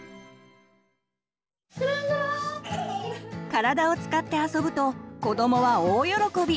体を使って遊ぶと子どもは大喜び！